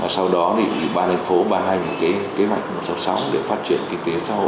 sau đó thành phố bàn hành kế hoạch một sáu sáu để phát triển kinh tế thậu